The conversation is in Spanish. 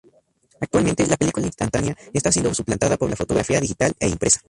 Actualmente, la película instantánea está siendo suplantada por la fotografía digital e impresa.